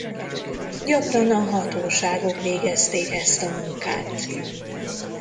Gyakran a hatóságok végezték ezt a munkát.